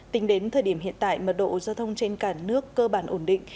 tính đến thời điểm hiện tại mật độ giao thông trên cả nước cơ bản ổn định